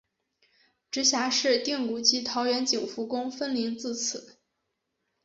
直辖市定古迹桃园景福宫分灵自此。